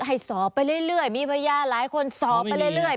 ให้สอบไปเรื่อยมีพยานหลายคนสอบไปเรื่อย